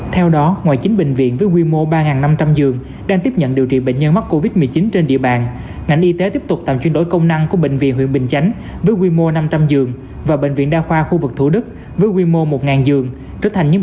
theo đó ngoài chín bệnh viện với quy mô ba năm trăm linh giường đang tiếp nhận điều trị bệnh nhân mắc covid một mươi chín trên địa bàn ngành y tế tiếp tục tạo chuyển đổi công năng của bệnh viện huyện bình chánh với quy mô năm trăm linh giường và bệnh viện đa khoa khu vực thủ đức với quy mô một giường